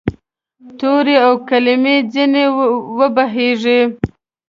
تورې او کلمې ځیني وبهیږې